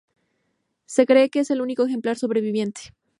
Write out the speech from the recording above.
Se cree que es el único ejemplar sobreviviente.